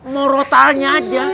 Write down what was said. mau rotalnya aja